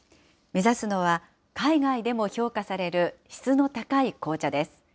目指すのは、海外でも評価される質の高い紅茶です。